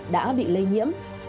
quá bị lây nhiễm